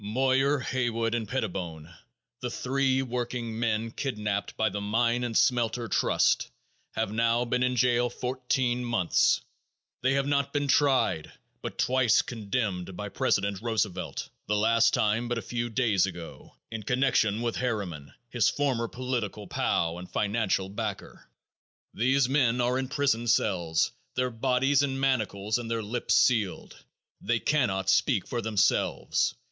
Moyer, Haywood and Pettibone, the three workingmen kidnaped by the Mine and Smelter Trust, have now been in jail fourteen months; they have not been tried, but twice condemned by President Roosevelt, the last time but a few days ago, in connection with Harriman, his former political pal and financial backer. These men are in prison cells, their bodies in manacles and their lips sealed. They cannot speak for themselves.